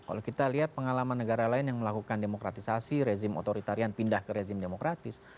kalau kita lihat pengalaman negara lain yang melakukan demokratisasi rezim otoritarian pindah ke rezim demokratis